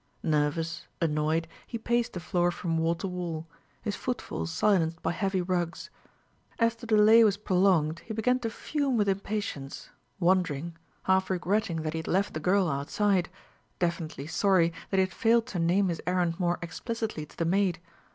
Nervous, annoyed, he paced the floor from wall to wall, his footfalls silenced by heavy rugs. As the delay was prolonged he began to fume with impatience, wondering, half regretting that he had left the girl outside, definitely sorry that he had failed to name his errand more explicitly to the maid.